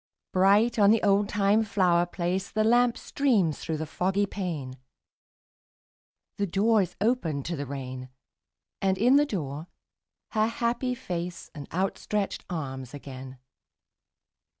Bright on the oldtime flower place The lamp streams through the foggy pane; The door is opened to the rain: And in the door her happy face And outstretched arms again.